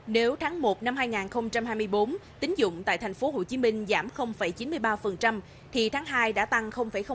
nếu tháng một năm hai nghìn hai mươi bốn tính dụng tại tp hcm giảm chín mươi ba thì tháng hai đã tăng bốn